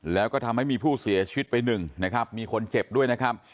แล้วก็ทำให้มีผู้เสียชีวิตไปหนึ่งนะครับมีคนเจ็บด้วยนะครับ